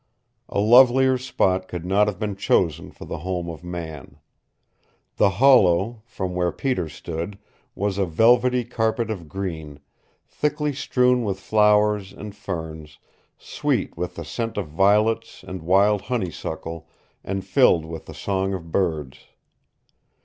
A lovelier spot could not have been chosen for the home of man. The hollow, from where Peter stood, was a velvety carpet of green, thickly strewn with flowers and ferns, sweet with the scent of violets and wild honey suckle, and filled with the song of birds.